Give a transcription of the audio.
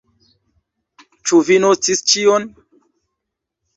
Ĉu vi notis ĉion?